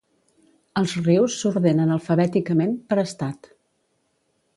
Els rius s'ordenen alfabèticament, per estat.